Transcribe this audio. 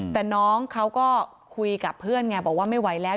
แต่น้องเขาก็คุยกับเพื่อนไงบอกว่าไม่ไหวแล้ว